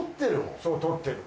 そう撮ってる。